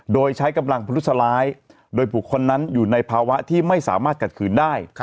โดยใช้กำลังพลุสลายโดยบุคคลนั้นอยู่ในภาวะที่ไม่สามารถขัดขืนได้